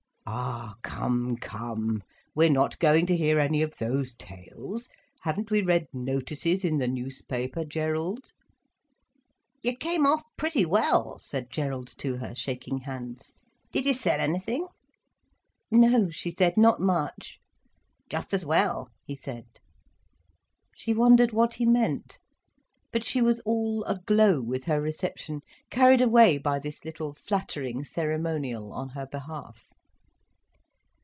"Ah, come, come! We're not going to hear any of those tales. Haven't we read notices in the newspaper, Gerald?" "You came off pretty well," said Gerald to her, shaking hands. "Did you sell anything?" "No," she said, "not much." "Just as well," he said. She wondered what he meant. But she was all aglow with her reception, carried away by this little flattering ceremonial on her behalf.